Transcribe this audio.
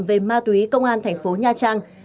về ma túy công an thành phố nha trang